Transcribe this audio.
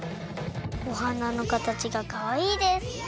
おはなのかたちがかわいいです。